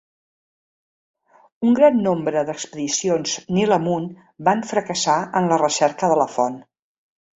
Un gran nombre d'expedicions Nil amunt van fracassar en la recerca de la font.